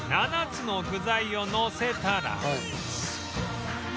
７つの具材をのせたら